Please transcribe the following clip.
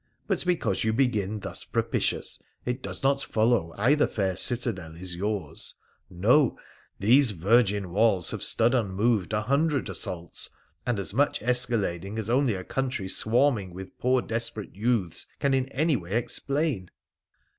But, because you begin thus propitious, it does not follow either fair citadel is yours ! No ! these virgin walls have stood unmoved a hundred assaults, and as much escalading as only a country swarming with poor desperate youths can any way explain.'